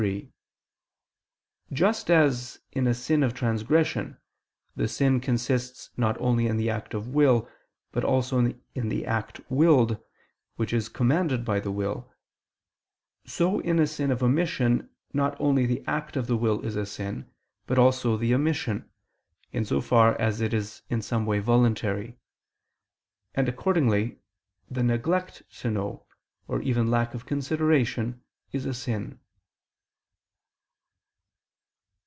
3: Just as in a sin of transgression, the sin consists not only in the act of the will, but also in the act willed, which is commanded by the will; so in a sin of omission not only the act of the will is a sin, but also the omission, in so far as it is in some way voluntary; and accordingly, the neglect to know, or even lack of consideration is a sin.